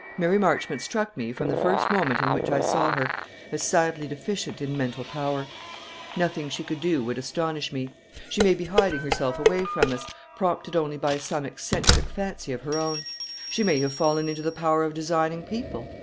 Mary Marchmont struck me, from the first moment in which I saw her, as sadly deficient in mental power. Nothing she could do would astonish me. She may be hiding herself away from us, prompted only by some eccentric fancy of her own. She may have fallen into the power of designing people.